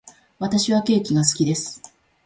私はケーキが好きです。